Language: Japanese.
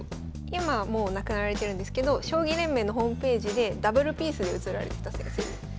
今はもう亡くなられてるんですけど将棋連盟のホームページでダブルピースで写られてた先生。